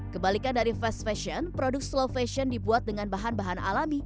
kebalikan dari fast fashion produk slow fashion dibuat dengan bahan bahan alami